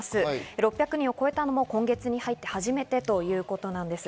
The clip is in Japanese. ６００人を超えたのも今月に入って初めてということなんです。